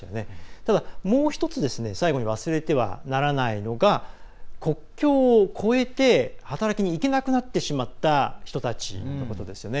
ただ、もう１つ最後に忘れてはならないのが国境を越えて働きにいけなくなってしまった人たちのことですよね。